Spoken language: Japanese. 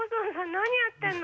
何やってんの？